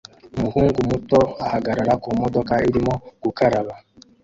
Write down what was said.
Umuhungu muto ahagarara kumodoka irimo gukaraba